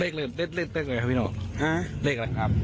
เลขเลขเลขเลขอะไรครับพี่โน่ฮะเลขอะไรครับครับ